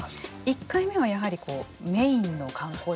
１回目はやはりメインの観光地といいますか。